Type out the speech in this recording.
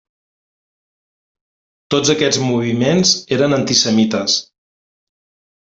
Tots aquests moviments eren antisemites.